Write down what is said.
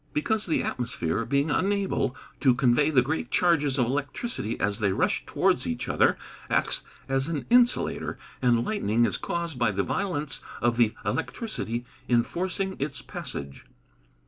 _ Because the atmosphere, being unable to convey the great charges of electricity as they rush towards each other, acts as an insulator, and lightning is caused by the violence of the electricity in forcing its passage.